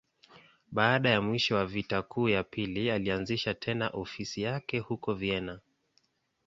Baada ya mwisho wa Vita Kuu ya Pili, alianzisha tena ofisi yake huko Vienna.